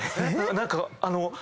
何かあの。